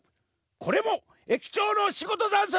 これも駅長のしごとざんす！